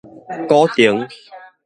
鼓亭